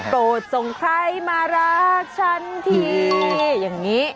โกรธส่งใครมารักฉันทีอย่างนี้